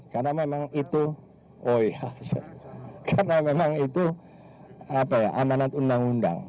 karena memang itu amanat undang undang